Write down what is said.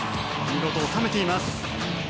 見事、収めています。